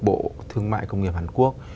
bộ thương mại công nghiệp hàn quốc